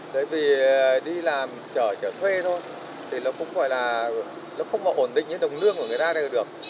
đấy vì đi làm trở trở thuê thôi thì nó cũng gọi là nó không ổn định như đồng lương của người ta đều được